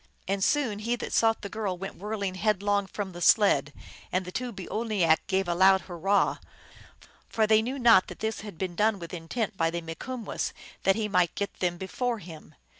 And soon he that sought the girl went whirl ing headlong from the sled, and the two boo oinak gave a loud hurrah ; for they knew not that this had been done with intent by the Mikumwess, that he might get them before him.